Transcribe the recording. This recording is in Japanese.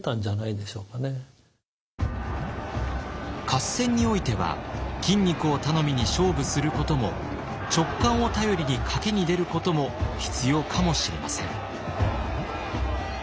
合戦においては筋肉を頼みに勝負することも直感を頼りに賭けに出ることも必要かもしれません。